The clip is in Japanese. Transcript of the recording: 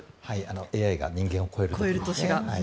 ＡＩが人間を超える年が。